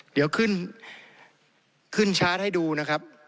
เดี๋ยวขึ้นขึ้นชาร์จให้ดูนะครับ